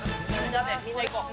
みんないこう。